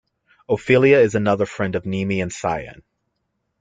Ophelia is another friend of Nemi and Cyan.